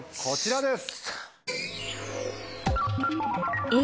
こちらです。